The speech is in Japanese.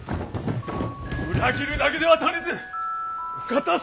裏切るだけでは足りずお方様まで！